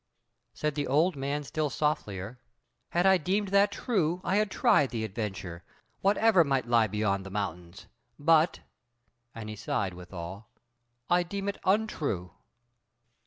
Said the old man still softlier: "Had I deemed that true I had tried the adventure, whatever might lie beyond the mountains, but (and he sighed withal) I deem it untrue."